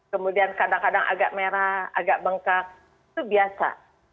kemudian kadang kadang agak merah agak bengkak itu biasa